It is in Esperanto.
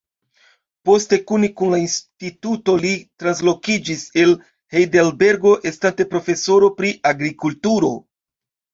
Poste kune kun la instituto li translokiĝis el Hejdelbergo estante profesoro pri agrikulturo.